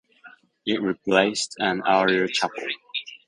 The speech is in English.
It replaced an earlier chapel.